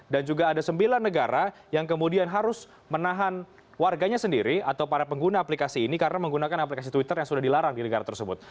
dan juga ada sembilan negara yang kemudian harus menahan warganya sendiri atau para pengguna aplikasi ini karena menggunakan aplikasi twitter yang sudah dilarang di negara tersebut